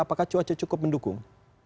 apakah cuaca cukup mendukung